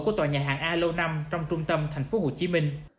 của tòa nhà hàng a lâu năm trong trung tâm thành phố hồ chí minh